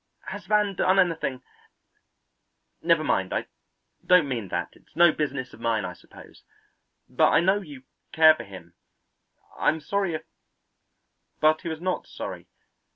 Has Van done anything never mind, I don't mean that; it's no business of mine, I suppose. But I know you care for him. I'm sorry if " But he was not sorry.